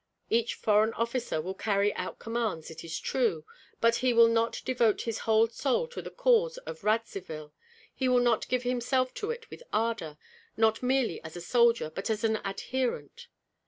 Each foreign officer will carry out commands, it is true; but he will not devote his whole soul to the cause of Radzivill, he will not give himself to it with ardor, not merely as a soldier, but as an adherent.